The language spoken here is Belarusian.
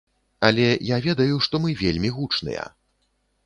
Але я ведаю, што мы вельмі гучныя.